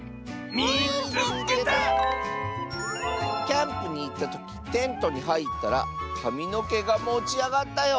「キャンプにいったときテントにはいったらかみのけがもちあがったよ！」。